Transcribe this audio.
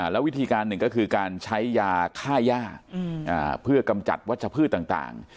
แล้ววิธีการหนึ่งก็คือการใช้ยาฆ่าย่าเพื่อกำจัดวัชพืชต่าง